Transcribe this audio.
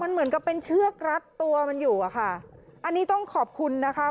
เหมือนกับเป็นเชือกรัดตัวมันอยู่อะค่ะอันนี้ต้องขอบคุณนะคะ